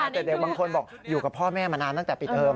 แต่เด็กบางคนบอกอยู่กับพ่อแม่มานานตั้งแต่ปิดเทอม